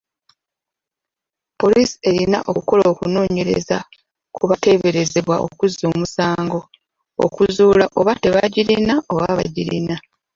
Poliisi erina okukola okunoonyereza ku bateeberezebwa okuzza omusango okuzuula oba tebagirina oba bagirina.